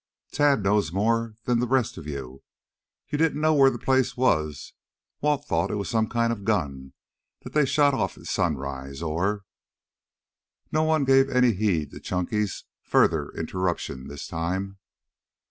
"Tad knows more'n the rest of you. You didn't know where the place was. Walt thought it was some kind of a gun that they shot off at sunrise, or " No one gave any heed to Chunky's further interruption this time.